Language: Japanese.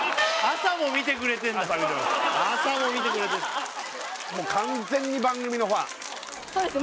朝も見てくれてるもう完全に番組のファンそうです